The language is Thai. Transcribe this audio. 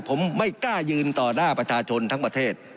ผมไม่กล้ายืนต่อหน้าประชาชนทั้งประเทศ